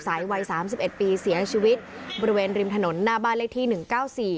วัยสามสิบเอ็ดปีเสียชีวิตบริเวณริมถนนหน้าบ้านเลขที่หนึ่งเก้าสี่